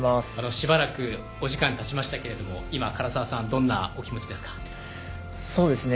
しばらくお時間経ちましたけれど今、唐澤さんどんなお気持ちですか？